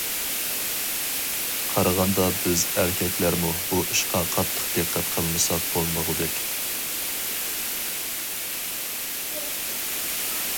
قارىغاندا بىز ئەركەكلەرمۇ بۇ ئىشقا قاتتىق دىققەت قىلمىساق بولمىغۇدەك.